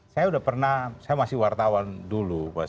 saya udah pernah saya masih wartawan dulu